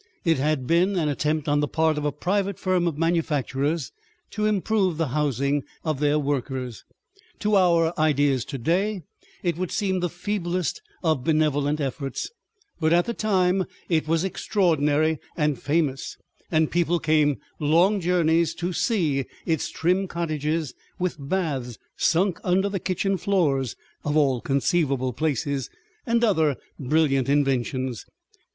It had been an attempt on the part of a private firm of manufacturers to improve the housing of their workers. To our ideas to day it would seem the feeblest of benevolent efforts, but at the time it was extraordinary and famous, and people came long journeys to see its trim cottages with baths sunk under the kitchen floors (of all conceivable places), and other brilliant inventions.